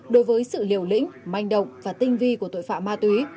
đối với sự liều lĩnh manh động và tinh vi của tội phạm ma túy